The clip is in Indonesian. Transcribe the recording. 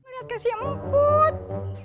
lihat kasih emput